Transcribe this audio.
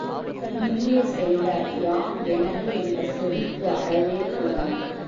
இனிய செல்வ, யான் எனது என்ற செருக்கு அறவே கூடாது!